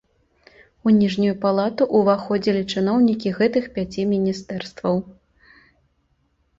У ніжнюю палату ўваходзілі чыноўнікі гэтых пяці міністэрстваў.